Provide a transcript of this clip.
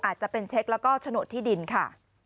อาจจะเป็นเช็คแล้วก็โฉนดที่ดินค่ะ